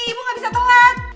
ibu gak bisa telat